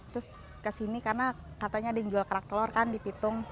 terus kesini karena katanya dijual kerak telur kan di pitung